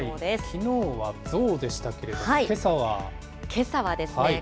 きのうはゾウでしたけれども、けさは？